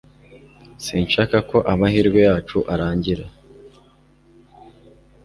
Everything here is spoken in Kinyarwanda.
Sinshaka ko amahirwe yacu arangira